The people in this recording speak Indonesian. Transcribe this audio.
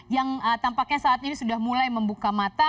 yang tampaknya saat ini sudah mulai membuka mata